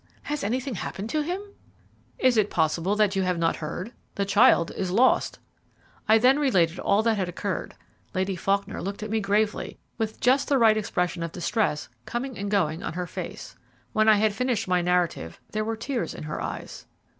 Has anything happened to him?" "Is it possible that you have not heard? The child is lost." I then related all that had occurred. Lady Faulkner looked at me gravely, with just the right expression of distress coming and going on her face. When I had finished my narrative there were tears in her eyes.